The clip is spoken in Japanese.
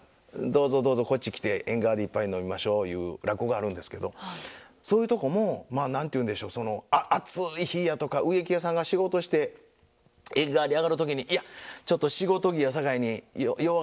どうぞどうぞこっち来て縁側で一杯飲みましょう」いう落語があるんですけどそういうとこもまあ何て言うんでしょうその暑い日やとか植木屋さんが仕事して縁側に上がる時に「いやちょっと仕事着やさかいによう